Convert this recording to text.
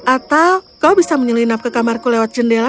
atau kau bisa menyelinap ke kamarku lewat jendela